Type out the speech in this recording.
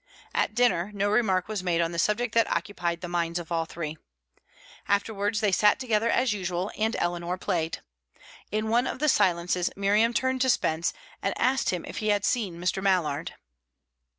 At dinner, no remark was made on the subject that occupied the minds of all three. Afterwards they sat together, as usual, and Eleanor played. In one of the silences, Miriam turned to Spence and asked him if he had seen Mr. Mallard.